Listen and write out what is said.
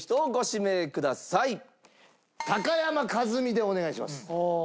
高山一実でお願いします。